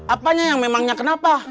apanya yang memangnya kenapa